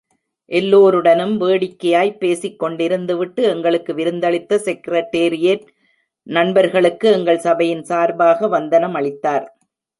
வந்ததுமன்றி, எல்லோருடனும் வேடிக்கையாய்ப் பேசிக்கொண்டிருந்து விட்டு, எங்களுக்கு விருந்தளித்த செக்ரடேரியேட் நண்பர்களுக்கு எங்கள் சபையின் சார்பாக வந்தனம் அளித்தார்.